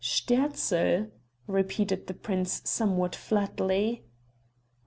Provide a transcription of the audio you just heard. "Sterzl," repeated the prince somewhat flatly.